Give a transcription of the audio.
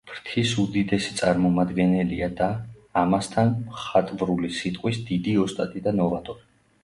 ფრთის უდიდესი წარმომადგენელია და, ამასთან, მხატვრული სიტყვის დიდი ოსტატი და ნოვატორი.